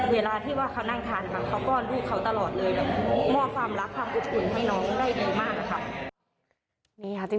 เวลาที่ว่าเขานั่งทานมาเขาป้อนลูกเขาตลอดเลยแบบมอบความรักความอบอุ่นให้น้องได้ดีมากค่ะ